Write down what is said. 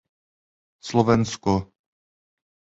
Slovensko.